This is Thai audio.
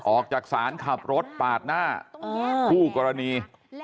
ออกจากศาลขับรถปาดหน้าคู่กรณี